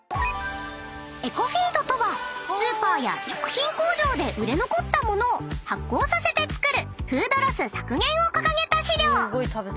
［エコフィードとはスーパーや食品工場で売れ残ったものを発酵させて作るフードロス削減を掲げた飼料］